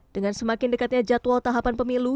dengan semakin dekatnya jadwal tahapan pemilu